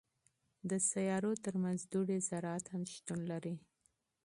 د سیارو ترمنځ دوړې ذرات هم موجود دي.